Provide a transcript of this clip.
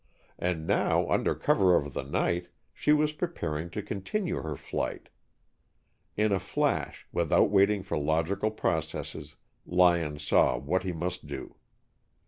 And now, under cover of the night, she was preparing to continue her flight. In a flash, without waiting for logical processes, Lyon saw what he must do.